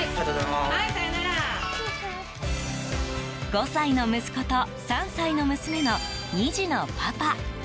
５歳の息子と３歳の娘の２児のパパ。